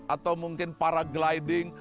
atau mungkin paragliding